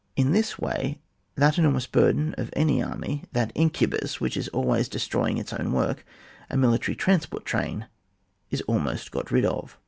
In this way, that enormous burden of any army, that incubus which is always de stroying its own work, a military trans port train, is almost got rid of.